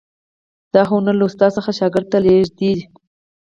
دا هنر له استاد څخه شاګرد ته لیږدید.